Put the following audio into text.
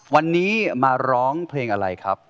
วันนี้มาร้องเพลงอะไรครับ